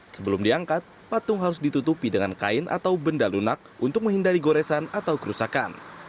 sebelum diangkat patung harus ditutupi dengan kain atau benda lunak untuk menghindari goresan atau kerusakan